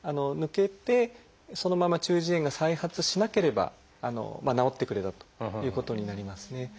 抜けてそのまま中耳炎が再発しなければ治ってくれたということになりますね。